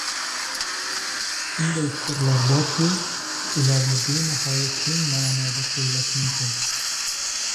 Shunday fikrlar borki, ularni benihoya keng ma’noda qo‘llash mumkin;